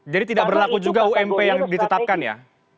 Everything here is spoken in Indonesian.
jadi tidak berlaku juga ump yang ditetapkan ya